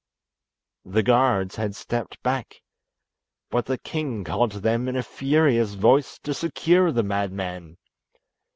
The guards had stepped back, but the king called to them in a furious voice to secure the madman.